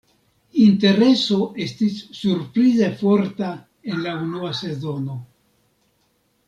Intereso estis surprize forta en la unua sezono.